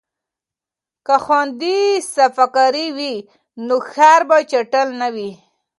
که خویندې صفاکارې وي نو ښار به چټل نه وي.